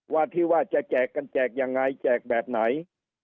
ว่าที่ว่าจะแจกกันแจกยังไงแจกแบบไหน